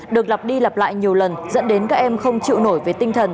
được lặp đi lặp lại nhiều lần dẫn đến các em không chịu nổi về tinh thần